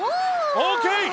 オッケー！